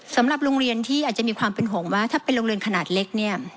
สำหรับโรงเรียนที่อาจจะมีความเป็นห่วงว่าถ้าเป็นโรงเรียนขนาดเล็กเนี่ย